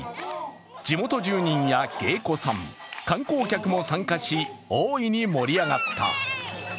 地元住人や芸妓さん、観光客も参加し、大いに盛り上がった。